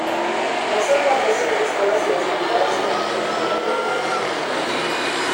Posee cuatro sedes, todas ellas ubicadas en la Región Metropolitana.